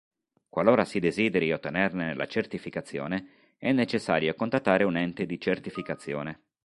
Qualora si desideri ottenerne la certificazione, è necessario contattare un ente di certificazione.